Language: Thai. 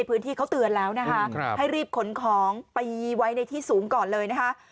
ไปไว้ในที่สูงก่อนเลยนะฮะ